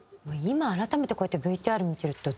今改めてこうやってＶＴＲ見てると。